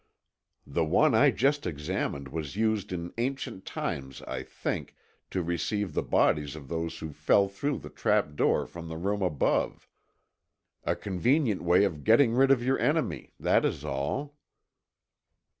The one I just examined was used in ancient times, I think, to receive the bodies of those who fell through the trap door from the room above. A convenient way of getting rid of your enemy, that is all."